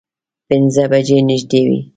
پینځه بجې نږدې وې.